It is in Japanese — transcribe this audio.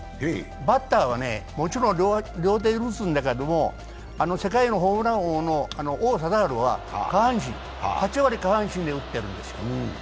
バッターは両手で打つんだけどあの世界のホームラン王の王貞治は８割下半身で打ってるんですよ。